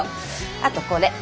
あとこれ。